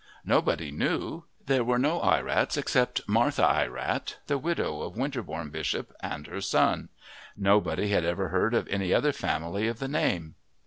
Nobody knew there were no Ierats except Martha Ierat, the widow, of Winterbourne Bishop and her son nobody had ever heard of any other family of the name.